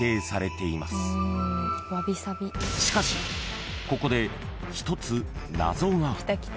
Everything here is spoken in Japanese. ［しかしここで１つ謎が］